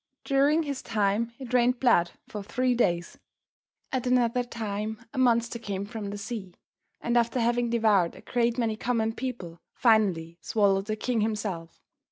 During his time it rained blood for three days. At another time a monster came from the sea, and after having devoured a great many common people, finally swallowed the king himself.